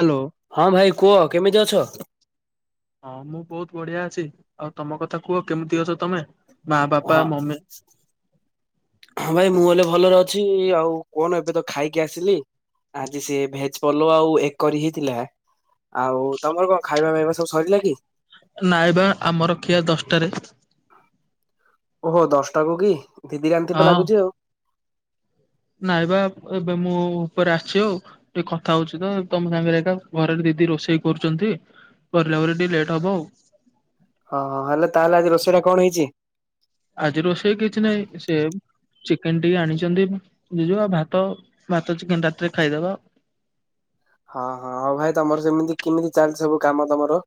Hello ହଁ ଭାଇ କୁହ କେମିତି ଅଛ? ହଁ, ମୁଁ ବହୁତ ବଢିଆ ଅଛି। ଆଉ' ତମ କଥା କୁହ, କେମିତି ଅଛ ତମେ? ମା ବାପା ହଁ, ମମି ହ ଭାଇ ମୁଁ ହେଲେ ଭଲରେ ଅଛି। ଅଛି ଆଉ କଣ, ଏବେ ତ ଖାଇକି ଆସିଲି। ଆଜି ସେ ଭେଜପଲଉ, ଆଉ ଏଗକରି ହେଇଥିଲା। ଆଉ ତମର କଣ ଖାଇବା ଫାଇବା ସବୁ ସରିଲା କି? ନାଇବା, ଆମର ଖିଆ ଦଶଟାରେ। ଓହୋ ଦଶଟାକୁୁ କି, ଦିଦି ରାନ୍ଧିବ ଲାଗୁଛି ଆଉ। ନାଇଁ ବା ଏବେ ମୁଁ ଉପରେ ଆସିଛି ଆଉ ଟିକେ କଥା ହଉଛି ତ ତମ ସାଙ୍ଗରେ ଏକା ଘରେ ଦି ରୋଷେଇ କରୁଛନ୍ତି। କରିଲା ପରେ ଟିକେ ଲେଟ୍ ହବ ଆଉ। ଓ ହୋ, ତାହେଲେ ଆଜି ରୋଷେଇ ଟା କଣ, ହେଇଛି? ଆଜି ରୋଷେଇ କିଛି ନାହିଁ ସେ ଚିକେନ ଟିକେ ଆଣିଛନ୍ତି ଜିଜୁ, ଆ ଭାତ, ଭାତ ଚିକେନ ରାତିରେ ଖାଇଦବା। ହଁ, ହଁ ହଉ ଭାଇ ତମର ସେମିତି କେମିତି ଚାଲିଛି ସବୁ କାମ ତମର?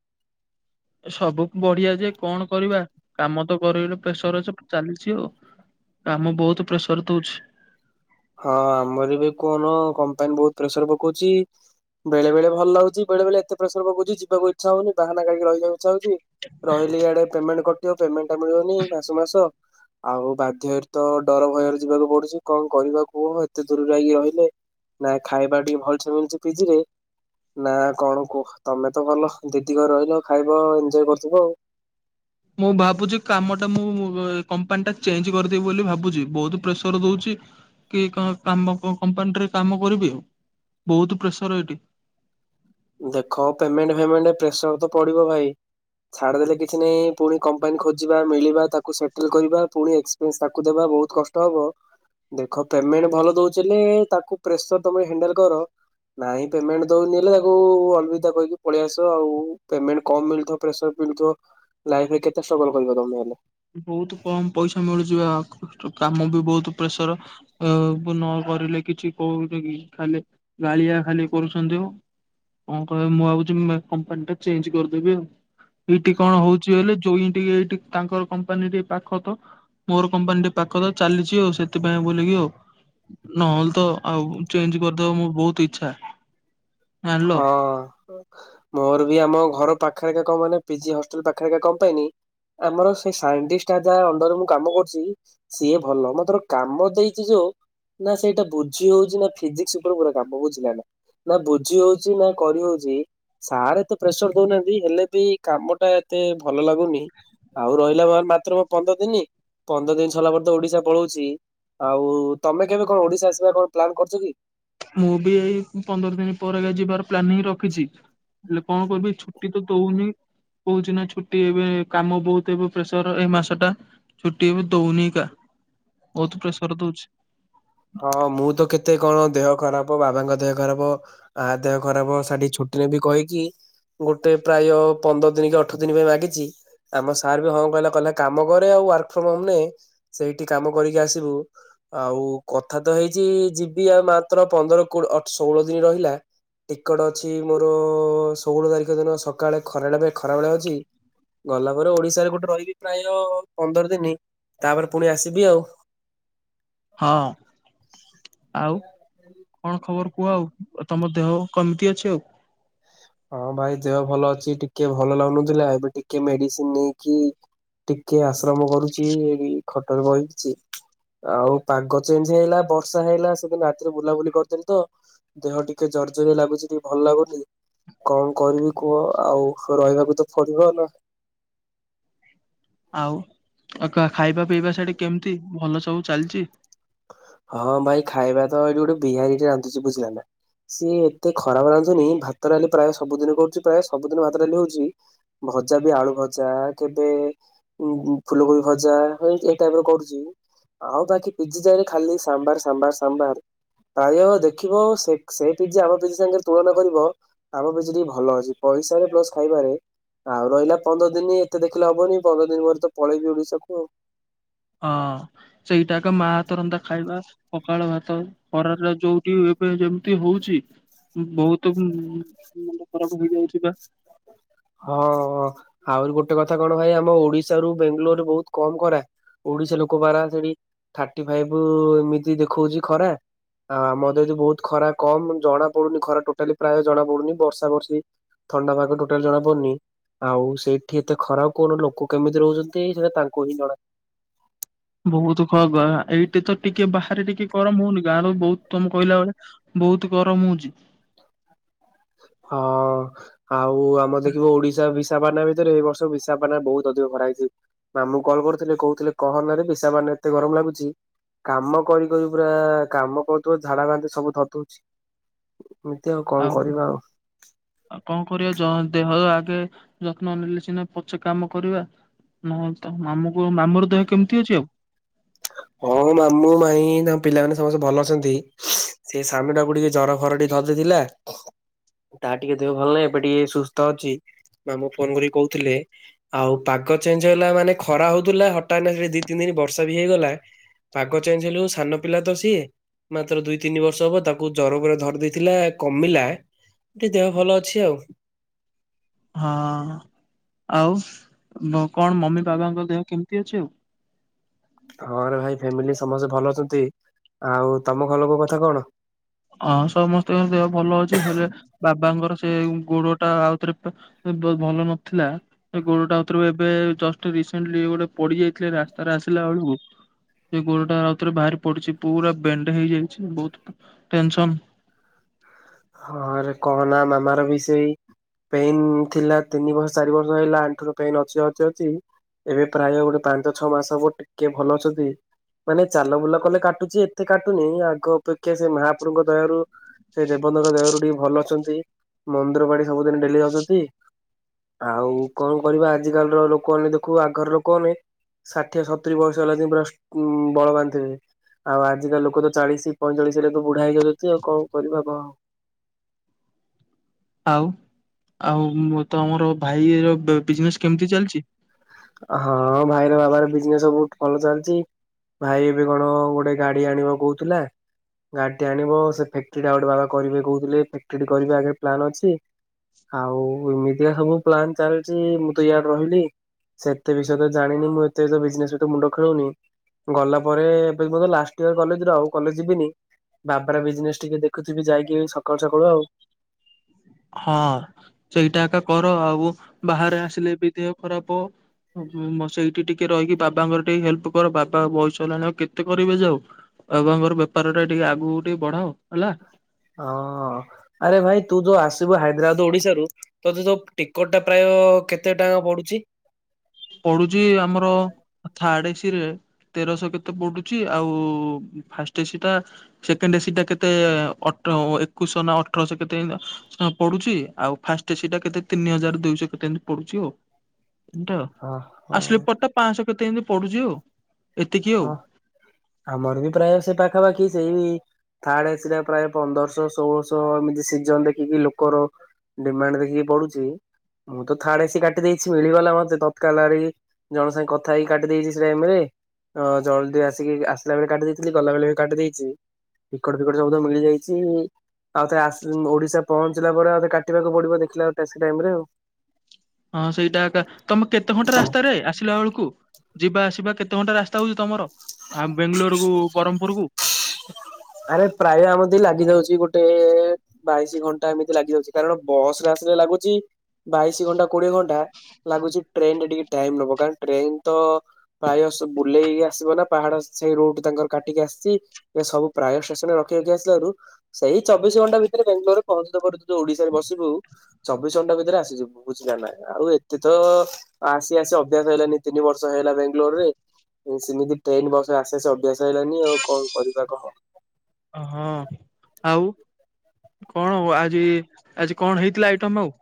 ସବୁକୁ ବଢିଆ ଯେ କଣ, କରିବା କାମ ତ କରିଲେ ପ୍ରେସର ଅଛି ଚାଲିଛି ଆଉ। କାମ ବହୁତ ପ୍ରେସର ଦଉଛି। ହଁ ଆମର ବି କୋହୁନୁ କମ୍ପାନୀ ବହୁତ ପ୍ରେସର ପକଉଛି। ବେଳେ, ବେଳେ ଭଲ ଲାଗୁଛି। ବେଳେ, ବେଳେ ଏତେ ପ୍ରେସର ପକଉଛି ଯିବାକୁ ଇଛା ହଉନି। ବାହାନା କାଢ଼ିକି ରହିବାକୁ, ଇଛା ହଉଛି। ରହିଲି ଇଆଡେ ପେମେଣ୍ଟ କଟିବ, ପେମେଣ୍ଟ ମିଳିବନି ମାସକୁ, ମାସ। ଆଉ ବାଧ୍ୟରେ ତ ଡର ଭୟରେ ଯିବାକୁ ପଡୁଛି କଣ, କରିବା। ଓ ହୋ, ଏତେ ଦୂରରେ ଯକି ରହିଲେ, ନା ଖାଇବା ଟିକେ ଭଲସେ ମିଳୁଚ ପିଜି ରେ ନା କଣ, କୁହ? ତମେ ତ ଭଲ ଦିଦି ଘରେ ରହିଲ ଖାଇବ। ଏଞଜୟ କରୁଥିବ ଆଉ? ମୁଁ ଭାବୁଛି କାମଟା ମୁଁ କମ୍ପାନୀଟା ଚେଞ୍ଜ କରିଦେବି ବୋଲି ଭାବୁଛି। ବହୁତ ପ୍ରେସର ଦଉଛି। କି, କ କାମ କମ୍ପାନୀରେ କାମ କରିବି ଆଉ ବହୁତ ପ୍ରେସର ଏଠି। ଦେଖ ପେମେଣ୍ଟ, ଫେମେଣ୍ଟ ପ୍ରେସର ତ ପଡିବ ଭାଇ। ଛାଡ଼ି ଦେଲେ କିଛି ନାହିଁ। ପୁଣି କମ୍ପାନୀ ଖୋଜିବା ମିଳିବା ତାକୁ ସେଟଲ କରିବା ପୁଣି ଏକ୍ସପିରିଏନ୍ସ ତାକୁ ଦେବା ବହୁତ କଷ୍ଟ ହବ। ଦେଖ ପେମେଣ୍ଟ ଭଲ ଦଉଥିଲେ ତାକୁ ପ୍ରେସର ନାଇଁ ପେମେଣ୍ଟ ଦଉନଲେ ତ ଓ ଆଲବିଦା କହିକି କାହିଁକି ପଳେଇ ଆସ ଆଉ ପେମେଣ୍ଟ କମ ମିଳିଥିବ ପ୍ରେସର୍ ମିଳୁଥିବ। ଲାଇଫ ରେ କେତେ ଷ୍ଟ୍ରଗଲ କରିବ ତମେ ହେଲେ ବହୁତ କମ ପଇସା ମିଳୁଛିି ବା। କାମ ବି ବହୁତ ପ୍ରେସର ନ କରିଲେ କିଛି କଉ ଖଲେ ଗାଳିଆ ଖାଲି କରୁଛନ୍ତି। କଣ କହିବେ ମୁଁ ଭାବୁଛି କମ୍ପାନୀ ଟା ଚେଞ୍ଜ କରିଦେବି ଆଉ ଏଇଠି କଣ ହଉଛି ହେ ଯୋଉ ଏଇଠି ତାଙ୍କର କମ୍ପାନୀ ପାଖ ତ ମୋର କମ୍ପାନୀଟି ପାଖ ତ ଚାଲିଛି ଆଉ ସେଥିପାଇଁ ବୋଲିକି ଆଉ ନହେଲେ ତ ଆଉ ଚେଞ୍ଜ କରିଦବା ମୋର ବହୁତ ଇଚ୍ଛା। ଜାଣିଲ। ହଁ ମୋର ବି ଆମ ଘର ପାଖ ପାଖରୋ କ ମ ପିଜି ହଷ୍ଟେଲ ପାଖରେଖା କମ ପାଇଁନି [unintelligible] ଆମର ସେ ସାଇଣ୍ଟିଷ୍ଟଟା ଯାହା ଅଣ୍ଡର ମୁଁ କାମ କରୁଛି ସିଏ ଭଲ ମୁଁ ତର କାମ ଦେଇଛି ଯୋଉ ନା ସେଇଟା ବୁଝି ହଉଛି ନା ଫିଜିକ୍ସ ଉପରେ ପୁରା କାମ ବୁଝିଲା ନା ନା ବୁଝ ବୁଝି ହଉଛି ନା କରିହଉଛି ସାର୍ ଏତେ ପ୍ରେସର ଦଉନାହାନ୍ତି ହେଲେ ବି କାମ ଟା ଏତେ ଭଲ ଲାଗୁନି ଆଉ ରହିଲା ମ ମାତ୍ର ପନ୍ଦର ଦିନ ପନ୍ଦର ଦିନ ସରିଲା ପରେ ତ ଓଡିଶା ପଳୋଉଛି। ଆଉ ତମେ କେବେ କଣ ଓଡିଶା ଆସିବା କଣ ପ୍ଲାନ୍ କରୁଛ କି? ମୁଁ ବି ଏଇ ପନ୍ଦର ଦିନ ପରେ ଯିବାର ପ୍ଲାନିଂ ରଖିଛି। ହେଲେ କଣ କରିବି ଛୁଟି ତ ଦଉନି କହୁଛି ନା ଛୁଟି ଏବେ କାମ ବହୁତ ଏବେ ପ୍ରେସର ଏଇ ମାସ ଟା ଛୁଟି ଏବେ ଦଉନି କା ବହୁତ ପ୍ରେସର ଦଉଛି। ହଁ ମୁଁ ତ କେତେ କଣ ଦେହ ଖରାପ, ବାବାଙ୍କ ଦେହ ଖରାପ, ଆ ଦେହ ଖରାପ, ସେଠି ଛୁଟି ନେବି କହିକି ଗୋଟେ ପ୍ରାୟ ପନ୍ଦର ଦିନ କି ଅଠର ଦିନ ପାଇଁ ମାଗିଛି ଆମ ସାର୍ ବି ହଁ କହିଲା, କହିଲା କାମ କରେ ଆଉ ୱାର୍କ ଫ୍ରମ ହୋମ ନେ, ସେଇଠି କାମ କରିକି ଆସିବୁ। ଆଉ କଥା ତ ହେଇଛି ଯିବି ଆଉ ମାତ୍ର ପନ୍ଦର ଷୋହଳ ଦିନ ରହିଲା। ଟିକେଟ ଅଛି ମୋର ଷୋହଳ ତାରିଖ ଦିନ ସକାଳେ ଖରାବେଳେ ପାଇଁ ଖରାବେେଳେ ଅଛି ଗଲା ପରେ ଓଡିଶାରେ ଗୋଟେ ରହିବି ପ୍ରାୟ ପନ୍ଦର ଦିନ ତାପରେ ପୁଣି ଆସିବି ଆଉ ହଁ ଆଉ କଣ [inaudible] ଖବର କୁହ ଆଉ ତମ ଦେହ କେମିତି ଅଛି ଆଉ? ହଁ ଭାଇ ଦେହ ଭଲ ଅଛି ଟିକେ ଭଲ ଲାଗୁନଥିଲା। ଏବେ ଟିକେ ମେଡିସିନ ନେଇକି ଟିକେ ଆଶ୍ରମ କରୁଛି ଏଇଠି ଖଟରେ ବାଇଚି ଆଉ ପାଗ ଚେଞ୍ଜ ହେଇଲା ବର୍ଷା ହେଇଲା ସେଦିନ ରାତିରେ ବୁଲାବୁଲି କରିଥିଲି ତ ଦେହ ଟିକେ ଜର୍ଜରି ଲାଗୁଛି ଟିକେ ଭଲ ଲାଗୁନି କଣ କରିବି କୁହ ଆଉ ରହିବାକୁ ତ ପଡିବ ନା [inaudible] ଆଉ ଖାଇବା ପିଇବା ସେଠି କେମିତି ଭଲ ସବୁ ଚାଲିଛି। ହଁ ଭାଇ ଖାଇବା ତ ଏଇଠି ଗୋଟେ ବିହାରୀ ଟ ରାନ୍ଧୁଛି ବୁଝିଲ ନା। ସିଏ ଏତେ ଖରାପ ରାନ୍ଧୁନି ଭାତ ଡାଲି ପ୍ରାୟ ସବୁଦିନ କରୁଛି ପ୍ରାୟ ସବୁଦିନ ଭାତ ଡାଲି ହଉଛି ଭଜା ବି ଆଳୁ ଭଜା କେବେ ଫୁଲକୋବି ଭଜା ଏ ଟାଇପ ର କରୁଛି। ଆଉ ବାକି ପିଜି ଯାରେ ଖାଲି ସାମ୍ଭାର ସାମ୍ଭାର ସାଭାର ପ୍ରାୟ ଦେଖିବ ସେ ପିଜି ଆମ ପିଜି ସାଙ୍ଗରେ ତୁଳନା କରିବ ଆମ ପିଜି ଟିକେ ଭଲ ଅଛି। ପଇସା ପ୍ଲସ୍ ଖାଇବାରେ। ଆଉ ରହିଲା ପନ୍ଦର ଦିନ ଏତେ ଦେଖିଲେ ହବନି ପନ୍ଦର ଦିନ ପରେ ତ ପଳେଇବି ଓଡିଶାକୁ ଆଉ! ହଁ ସେଇଟା ଏକ ମା ହାତ ରନ୍ଧା ଖାଇବା ପଖାଳ ଭାତ ଖରାରେ ଯୋଉଠି ଏବେ ଯେମିତି ହଉଛି ବହୁତ ମେ ଖରାପ ହେଇଯାଉଛି ବା [inaudible] ହଁ ହଁ ଆହୁରି ଗୋଟେ କଥା କଣ ଭାଇ ଆମ ଓଡିଶା ରୁ ବେଙ୍ଗାଲୋର ବହୁତ କମ ଖରା। ଓଡିଶା ଲୋକ ପାରା ସେଠି ଥାର୍ଟି ଫାଇଭ ଏମିତି ଦେଖଉଛି ଖରା। ଆଉ ଆମତେ ଏଦି ବହୁତ ଖରା କମ ଜଣା ପଡୁନି ଖରା ଟୋଟାଲି ପ୍ରାୟ ଜଣା ପଡୁନି ବର୍ଷା ବର୍ଷୀ ଥଣ୍ଡା ପାଗକୁ ଟୋଟାଲ ଜଣାପଡୁନି। ଆଉ ସେଇଠି ଏତେ ଖରାପ କଣ ଲୋକ କେମିତି ରହୁଚନ୍ତି ସେଟା ତାଙ୍କୁ ହିଁ ଜଣା। [unintelligible] ବହୁତ ଖ ଏଇଠି ତ ଟିକେ ବାହାରେ ଟିକେ ଗରମ ହଉନି ଗାଁରୁ ବହୁତ ତମେ କହିଲା ଭଳିଆ ବହୁତ ଗରମ ହଉଚି। ହଁ ଆଉ ଆମର ଦେଖିବ ଓଡିଶା ବି ବିଶାଖପାଟଣା ଭିତରେ ଏ ବର୍ଷ ବିଶାପାଟନାରେ ବହୁତ ଅଧିକ ଖରା ହେଇଚି। ମାମୁ କଲ୍ କରିୁଥିଲେ କହୁଥିଲେ କହନା ରେ ବିଷାକାପାଟନାରେ ମାନେ ଏତେ ଗରମ ଲାଗୁଚି। କାମ କରି କରି ପୁରା କାମ କରୁୁଥିବ, ଝାଡା ବାନ୍ତି ସବୁ ଥରି ଦଉଚି। ଏମତି ଆଉ କ ଆଉ ଆଉ କଣ କରିବା ଜ ଦେହ ଆ ରେ ଯତ୍ନ ନେଲେ ସିନା ପଛେ କାମ କରିବା। ନାଇଁ ତ ମାମୁଁ କୁ ମାମୁଁ ର ଦେହ କେମିତି ଅଛି ଆଉ? ହଁ ମାମୁଁ ମାଇଁ ତାଙ୍କ ପିଲାମାନେ ସମସ୍ତେ ଭଲ ଅଛନ୍ତି। ସେ ସାନଟାକୁ ଟିକେ ଜର ଫର ଟିକେ ଧରି ଦେଇଥିଲା। ହେ ତାର ଟିକେ ଦେହ ଭଲ ନାହିଁ ଏବେ ଟିକେ ସୁସ୍ଥ ଅଛି। ମାମୁ ଫୋନ କରି କହୁଥିଲେ ଆଉ ପାଗ ଚେଞ୍ଜ ହେଲା ମାନେ ଖରା ହଉଥିଲା ହଠାତ ସେ ଦି ତିନି ବର୍ଷା ବି ହେଇଗଲା ପାଗ ଚେଞ୍ଜ ହେଲ ସାନ ପିଲା ତ ସିଏ ମାତ୍ର ଦୁଇ ତିନି ବର୍ଷ ହବ ତାକୁ ଜର ପୂରା ଧରି ଦେଇେଇଥିଲା କମିଲା। ଟିକେ ଦେହ ଭଲ ଅଛି ଆଉ। ହଁ। ଆଉ କଣ ମମି ବାବାଙ୍କ ଦେହ କେମିତି ଅଛି ଆଉ? ହଁରେ ଭାଇ ଫ୍ୟାମିଲି ସମସ୍ତେ ଭଲ ଅଛନ୍ତି। ଆଉ ତମ ଘରଲୋକଙ୍କ କଥା କଣ? ହଁ ସମସ୍ତଙ୍କ ଦେହ ଭଲ ଅଛି ହେଲେ ବାବାଙ୍କର ସେ ଗୋଡ ଟା ଆଉଥରେ ଭଲ ନଥିଲା। ଏ ଗୋଡଟା ଭରେ ଏବେ ଜଷ୍ଟ ରିସେଣ୍ଟଲି ଗୋଟେ ପଡି ଯାଇଥିଲେ ରାସ୍ତାରେ ଆସିଲା ବେଳକୁ ସେ ଗୋଡଟା ଆଉଥରେ ବାହାରି ପଡିଛି, ପୁରା ବେଣ୍ଡ ହେଇଯାଇଛି ବହୁତ ଟେନସନ୍ ହଁରେ କହନା ମାମାର ବି ସେଇ ପେନ ଥିଲା ତିନି ବର୍ଷ ଚାରି ବର୍ଷ ହେଲା ଆଣ୍ଠୁ ର ପେନ ଅଛି ଅଛି ଅଛି। ଏବେ ପ୍ରାୟ ଗୋଟେ ପାଞ୍ଚ ଛଅ ମାସ ହବ ଟିକେ ଭଲ ଅଛନ୍ତି। ମାନେ ଚାଲ ବୁଲ କଲେ କାଟୁଚି ଏତେ କାଟୁନି ଆଗ ଅପେକ୍ଷା ସେ ମହାପ୍ରଭୁଙ୍କ ଦୟାରୁ ସେ ଦେବେ ବନଙ୍କ ଦୟାରୁ ଟିକେ ଭଲ ଅଛନ୍ତି ମନ୍ଦିର ବାଡି ସବୁଦିନ ଡେଲି ଯାଉଚନ୍ତି। ଆଉ କଣ କରିବା ଆଜିିକାଲିର ଲୋକମାନେ ଦେଖୁନୁ ଆଗର ଲୋକମାନେ ଷାଠିଏ ସତୁୁରରି ବର୍ଷ ହେଲା ଯେ ପୁରା ଉ ବଳବାନ ଥିବେ। ଆଉ ଆଜିକା ଲୋକ ତ ଚାଳିଶ ପଇଁଚାଳିଶରେ ତୁ ବୁଢା ହେଇଯାଉଛନ୍ତି ଆଉ କଣ କରିବା? ଆଉ ଆଉ ତ ଆମର ଭାଇର ବିଜନେସ କେମିତି ଚାଲିଚି? ହଁ ଭାଇର ବାବାର ବିଜନେସ୍ ସବୁ ଭଲ ଚାଲିଚି। ଭାଇ ଏବେ କଣ ଗୋଟେ ଗାଡି ଆଣିବ କହୁଥିଲା। ଗାଡିଟି ଆଣିବ ସେ ଫ୍ୟାକ୍ଟ୍ରିଟା ଗୋଟେ ବାବା କରିବେ କହୁଥିଲେ ଫ୍ୟାକ୍ଟ୍ରିଟି କରିବ ଆଗରେ ପ୍ଲାନ୍ ଅଛି। ଆଉ ଏମିତିକା ସବୁ ପ୍ଲାାନ ଚାଲିଛି ମୁଁ ତ ଇଆଡେ ରହିଲି। ସେତେ ବିଷୟ ତ ଜାଣିନି ମୁଁ ଏତେ ଯ ବିଜନେସ ତେ ମୁଣ୍ଡ ଖେଳଉନି। ଗଲା ପରେ ଏବେ ମୁ ଲାଷ୍ଟ ଇୟର କଲେଜ ର ଆଉ କଲେଜ ଯିବିନି। ବାବାର ବିଜନେସ ଟିକେ ଦେଖୁଥିବି ଯାଇକି ସକାଳୁ ସକାଳୁ ଆଉ। ହଁ ସେଇଟା ଏକା କର ଆଉ ବାହାରେ ଆସିଲେ ବି ଦେହ ଖରାପ ହ ମ ସେଇଠି ଟିକେ ରହିକି ବାବାଙ୍କର ଟିକେ ହେଲ୍ପ କର ବାବା ବୟସ ହେଲାଣି ଆଉ କେତେ କରିବେ ଯେ ଆଉ। ବାବାଙ୍କର ବେପାର ଟା ଟିକେ ଆଗକୁ ଟିକେ ବଢାଅ ହେଲା। ହଁ ଆରେ ଭାଇ ତୁ ଯୋଉ ଆସିବୁ ହାଇଦ୍ରାବାଦ ଓଡିଶାରୁ ତତେ ଯୋଉ ଟିକଟ ଟା ପ୍ରାୟ କେତେ ଟଙ୍କା ପଡୁଚି? ପଡୁଚି ଆମର ଥାର୍ଡ ଏସି ରେ। ତେରଶହ କେତେ ପଡୁଚି, ଆଉ ଫାଷ୍ଟ ଏସି ଟା ସେକେଣ୍ଡ ଏସି ଟା କେତେ ଅ ଏକୋଇଶହ ନା ଅଠରଶହ କେତେ ପଡୁଛି ଆଉ ଫାଷ୍ଟ ସେଇଟା କେତେ ତିନି ହଜାର ଦୁଇଶହ କେତେ ଟ ଏମ୍ ତି ପଡୁଛି ଆଉ। ଏ ହଁ ହଁ ଆଉ ସ୍ଲିପର ଟା ପାଞ୍ଚଶହ କେତେ ଏମିତି ପଡୁଛି ଆଉ। ଏତିକି ଆଉ। ହଁ ଆମର ବି ପ୍ରାୟ ସେ ପାଖାପାଖି ସେଇ ଥାର୍ଡ ଏସି ଟା ପ୍ରାୟ ପନ୍ଦରଶହ ଷୋହଳଶହ ଏମିତି ସିଜନ ଦେଖିକି ଲୋକର ଡିମାଣ୍ଡ ଦେଖିକି ପଡୁଛି। ମୁଁ ତ ଥଡ ଏସି କାଟି ଦେଇଛି ମିଳିିଗଲା ମତେ ତତ୍କାଳିଆ ଜଣଙ୍କ ସାଙ୍ଗେ କଥା ହେଇକି କାଟି ଦେଇଛି ସେଇ ଟାଇମ୍ ରେ। ହଁ ଜଲ୍ଦି ଆସିକି ଆସିଲା ବେଳେ କାଟି ଦେଇଥିଲି ଗଲାବେଳେ ବି କାଟି ଦେଇଛି। ଟିକଟ ଫିକଟ ସବୁତ ମିଳି ଯାଇଛି। ଆ କାଇଁ ଆଉ ଓଡିଶା ପହଞ୍ଚିଲା ପରେ ଆଉ କାଟିବାକୁ ପଡିବ ଦେଖିଲା ଟ ଟାଇମରେ ଆଉ। ହଁ ସେଇଟା ଏକା ତମେ କେତେ ଘଣ୍ଟା ରାସ୍ତାରେ ଆସିଲା ବେଳକୁ ଯିବା ଆସିବା କେତେ କେତେ ଘଣ୍ଟା ରାସ୍ତା ହଉଛି ତମର ଆ ବେଙ୍ଗ୍ଲୋର କୁ ବରହ୍ମମପୁରକୁ। ଆରେ ପ୍ରାୟ ଆମିତି ଲାଗି ଯାଉଛି ଗୋଟେ ବାଇଶି ଘଣ୍ଟା ଏମିତି ଲାଗି ଯାଉଛି କାରଣ ବସ ଆସି ଲାଗୁଛି ବାଇଶି ଘଣ୍ଟା କୋଡିଏ ଘଣ୍ଟା। ଲାଗୁଛି ଟ୍ରେନ ରେ ଟିକେ ଟାଇମ ନବ କାରଣ ଟ୍ରେନ ତ ପ୍ରାୟ ସ ବୁଲେଇକି ଆସିବ ନା ପାହାଡ ସେଇ ରୋଡୁ ତାଙ୍କର କାଟିକି ଆସିଛି ଏ ସବୁ ପ୍ରାୟ ଷ୍ଟେସନରେ ରଖିରଖି ଆସିଲିବାରୁ ସେଇ ଚବିଶ ଘଣ୍ଟା ଭିତରେ ବେଙ୍ଗାଲୋର ରେ ପହଞ୍ଚିଲା ପରେ ଯୋଉ ଓଡିଶାରେ ବସିବୁ ଚବିଶ ଘଣ୍ଟା ଭିତରେ ଆସିଯିବୁ ବୁଝିଲା ନା ଆଉ ଏତେ ତ ଆସି ଆସି ଅଭ୍ୟାସ ହେଇଲାନି ତିନି ବର୍ଷ ବଷ ହେଲା ବାଙ୍ଗାଲୋରରେ ସେମିତି ଟ୍ରେନ ବସ ଆସେ ଆସ ଅଭ୍ୟାସ ହେଇଲାନି ଆଉ କଣ କରିବା କହ। ହଁ ଆଉ। କଣ ହ ଆଜି ଆଜି କଣ ହେଇଥିଲା ଆଇଟମ ଆଉ।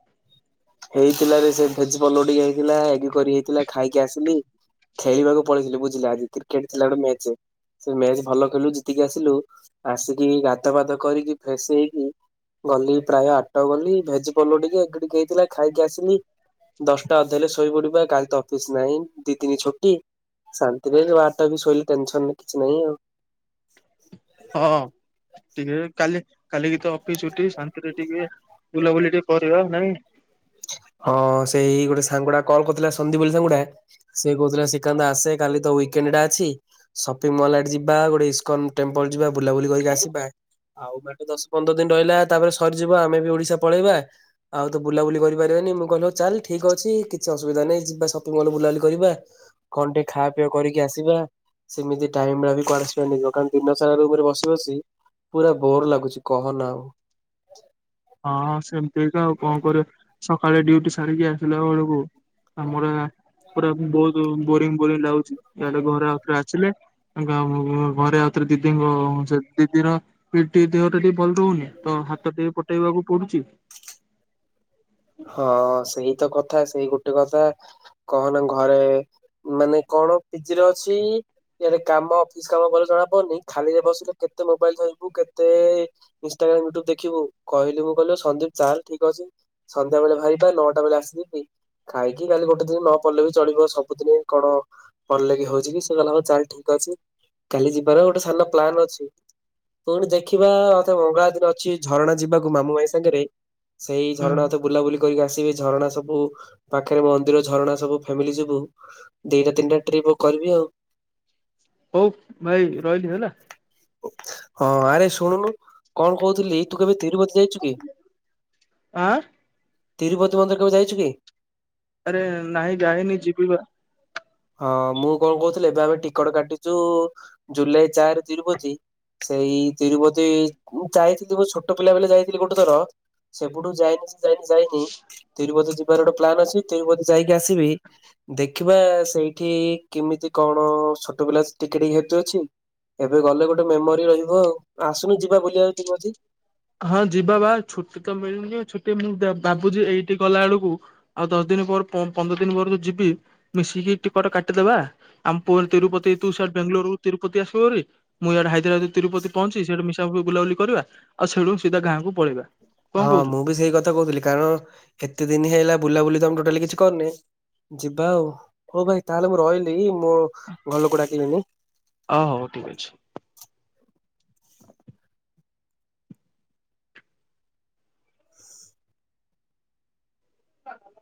ହେଇଥିଲା ରେ ସେ ଭେଜ ପଲଉ ଟିକେ ହେଇଥିଲା ଏଗ୍ କରି ହେଇଥିଲା ଖାଇକି ଆସିଲି। ଖେଳିବାକୁ ପଳେଇଥିଲି ବୁଝିଲା ଆଜି କ୍ରିକେଟ ଥିଲା ଗୋଟେ ମ୍ୟାଚ ଯେ। ସେ ମ୍ୟାଚ ଭଲ ଖେଳିଲୁ ଜିତିକି ଆସିଲୁ ଆସିକି ଗାଧୁଆ ପାଧୁଆ କରିକି ଫ୍ରେଶ ହେଇକି ଗଲି ପ୍ରାୟ ଆଟ ଗଲି ଭେଜପୋଲ ଟିକେ ଏଗ ଟିକେ ହେଇଥିଲା ଖାଇକି ଆସିଲି। ଦଶଟା ଅଧେ ହେଲେ ଶୋଇପଡିବି କାଲି ତ ଅଫିସ ନାହିଁ ଦି ଦିନି ଛୁଟି। ଶାନ୍ତିରେ ଯଉ ଆଠ ଟାରୁ ଶୋଇଲି ଟେନସନ୍ କିଛି ନାହିଁ ଆଉ। ହଁ ଟିକେ କାଲି କାଲିିକି ତ ଅଫିସ ଉଠି ଶାନ୍ତିରେ ଟିକେ ବୁଲାବୁଲି ଟିକେ କରିବା ଆଉ ନାଇଁ। [inaudible] ହଁ ସେଇ ଗୋଟେ ସାଙ୍ଗୁଡା କଲ୍ କରିଥିଲା ସନ୍ଦିପ୍ ବୋଲି ସାଙ୍ଗୁଡା ସେ କହୁଥିଲା ଶ୍ରୀକାନ୍ତ ଆସେ କାଲି ତ ଉଇକେ କେନେଡା ଅଛି ସପିଙ୍ଗ ମଲ୍ ଆଡ ଯିବା ଗୋଟେ ଇସ୍କନ୍ ଟେମ୍ପଲ ଯିବା ବୁଲାବୁଲି କରିକି ଆସିବା। ଆଉ ମଟ ଦଶ ପନ୍ଦର ଦିନ ରହିଲା ତାପରେ ସରିଯିବ ଆମେ ବି ଓଡିଶା ପଳେଇବା ଆଉ ତ ବୁଲାବୁଲି କରି ରି ମୁଁ କହିଲ ଚାଲ ଠିକ ଅଛି କିଛି ଅସୁବିଧା ନାଇଁ ଯିବା ସପିଂଲ ବୁଲାୁବୁଲି କରି କନ୍ ଟିକେ ଖାପ୍ କରିକି ଆସିବା ସେମିତି ଟାଇମ ଟା ବିିବ [unintelligible] କାର ଦିନ ସାରାରେ ବସି ବସି ପୁରା ବୋର ଲାଗୁଛି କହନା ଆଉ‌। [inaudible] ହଁ ସେମିତିକା ଆଉ କଣ କର ସକାଳେ ଡ୍ୟୁଟି ସାରିକି ଆସିଲା ବେଳକୁ ଆମର ପୁରା ବହୁତ ବୋରିଙ୍ଗ ବୋରିଙ୍ଗ ଲାଗୁଛି ତାେଲେ ଘରେ ଆଉଥରେ ଆସେ ଘରେ ଆଉଥରେ ଦିଦିଙ୍କ ସେ ଦିଦିର ଦେହଟା ଟିକେ ଭଲ ରହୁନି ତ ହାତ ଟିକେ ହଟେଇବାକୁ ପଡୁଛି। ହଁ ସେଇ ତ କଥା ସେଇ ଗୋଟେ କଥା କହନା ଘରେ ମାନେ କଣ ଫିଜିରେ ଅଛି, ଇଆଡେ କାମ ଅଫିସ କାମ ଭ ଜଣା ପବନି ଖାଲିରେ ବସିଲେ କେତେ ମୋବାଇଲ ଧଥିବୁ କେତେଇା ୁୁବ ଦେଖିବୁ କହିଲୁ ମୁଁ କହିଲି ସନ୍ଦୀପ ଚାଲ ଠିକ ଅଛି। ସନ୍ଧ୍ୟା ବେଳେ ବାହାରିବା ନଅଟା ବେଳେ ଆସିଯି ଖାଇକି କାଲି ଗୋଟେ ଦିନ ନ ପଡ଼ିଲେ ବି ଚଳିବ ସବୁଦିନ କଣ ପାଢିଲେ କି ହଉଛି କି ସେ କ ହଉ ଚାଲ ଠିକ କାଲି ଯିବାର ଗୋଟେ ସାନ ପ୍ଲାନ ଅଛି। ପୁଣି ଦେଖିବା ଅଥ ମଙ୍ଗଳା ଦିନ ଅଛି ଝରଣା ଯିବାକୁ ମାମୁଁ ମାଇ ସାଙ୍ଗରେ ସେଇ ହୁଁ ଝରଣା ି ଆସିବି ଝ ସବୁ ପାଖରେ ମନ୍ଦିର ଝରଣା ସବୁ ଫାମିଲି ଯିବୁ ଦିଟା ତିନିଟା ଟ୍ରିପ କରିବି ଆଉ। ହଉ ଭାଇ ରହିଲି ହେଲା। ହଁ ଆରେ ଶୁଣୁନୁ କଣ କହୁଥିଲି ତୁ କେବେ ତିରୁପତି ଜୟୀ ଚୁ କି? ଆଁ ତିରୁପତି ମନ୍ଦିର କେବେ ଯାଇଛୁ କି? ଆରେ ନାଇଁ ଜାଇନୀ ଯିବି ପା ହଁ ମୁଁ କଣ କହୁଥିଲି ଏବେ ଆମେ ଟିକଟ କାଟିଛୁ ଜୁଲାଇ ଚାରି ତିରୁପତି ସେଇ ତିରୁପତି ଯାଇଥିଲି ମୁ ଛୋଟ ପିଲା ବଳେ ଯାଇଥିଲି ଗୋଟେ ଥର ସେପଟୁ ଯାଇ ଯାଇନି ତିରୁପତି ଯିବାର ଗୋଟେ ପ୍ଲାନ୍ ଅଛି ତିରୁପତି ଯାଇକି ଆସିବି ଦେଖିବା ସେଇଠି କେମିତି କଣ ଛୋଟ ପିଲା ଟିକେ ଟିକ ହେତ ଅଛି ଏବେ ଗଲେ ଗୋଟେ ମେମୋରି ରହିବ ଆଉ ଆସୁନୁ ଯିବା ବୁଲିବାକୁ ତିରୁପତି। ହଁ ଯିବା ବା ଛୁଟି ତ ମିଳୁନି ଛୁଟି ମୁଁ ଭାବୁଛି ଏଇଠି ଗଲା ବେଳକୁ ଆଉ ଦଶ ଦିନ ପନ୍ଦର ଦିନ ପରେ ଯୋଉ ଯିବି ମିଶିକି ଟିକଟ କାଟିଦେବା ଆମ ପୁ ତିରୁପତି ତୁ ବେଙ୍ଗାଲୋରୁ ତିରୁପତି ଆସିବ ବୋଲିରି ମୁଁ ଆଡେ ହାଇଦ୍ରାବାଦ ତିରୁପତି ପହଞ୍ଚି ସେଠା ମିଶା ବୁଲାବୁଲି କରିବା ଆଉ ସେଇଠୁ ସିଧା ଗାଁ କୁ ପଳେଇବା। କଣ ହଁ କହୁଛୁ ମୁଁ ବି ସେଇ କଥା କହୁଥିଲି କାରଣ କେତେ ଦିନ ହେଇଲା ବୁଲାବୁଲି ତମୋଟାଲି କିଛି କରିନି ଯିବା ଆଉ ହଉ ଭାଇ ତାହେଲେ ମୁଁ ରହିଲି ମୁଁ ଘ ଘର ଲୋକ ଡାକିଲେନି। ଅ ହଉ ଠିକ ଅଛି। ହଁ ହ। [unintelligible]